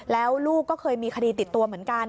แล้วลูกก็เคยมีคดีติดตัวเหมือนกัน